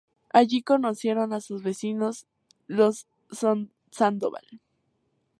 Allí conocerán a sus vecinos, los Sandoval.